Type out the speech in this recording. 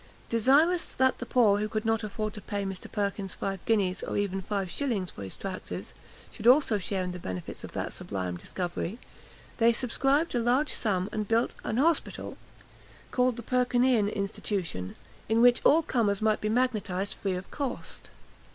Desirous that the poor, who could not afford to pay Mr. Perkins five guineas, or even five shillings for his tractors, should also share in the benefits of that sublime discovery, they subscribed a large sum, and built an hospital, called the "Perkinean Institution," in which all comers might be magnetised free of cost.